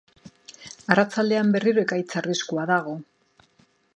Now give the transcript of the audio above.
Arratsaldean berriro ekaitz arriskua dago.